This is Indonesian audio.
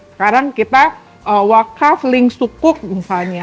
sekarang kita wakaf link sukuk misalnya